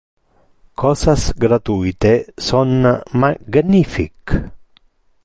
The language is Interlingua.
Cosas gratuite son magnific.